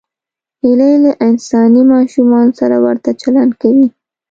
هیلۍ له انساني ماشومانو سره ورته چلند کوي